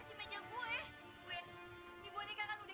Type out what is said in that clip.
jalan kung saya gak peduli siapa kamu